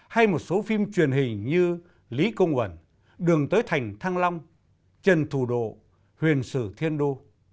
hay một số phim truyền hình như lý công uẩn đường tới thành thăng long trần thủ độ huyền sử thiên đô